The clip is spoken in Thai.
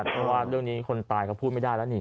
เพราะว่าเรื่องนี้คนตายเขาพูดไม่ได้แล้วนี่